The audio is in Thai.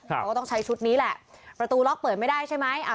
เขาก็ต้องใช้ชุดนี้แหละประตูล็อกเปิดไม่ได้ใช่ไหม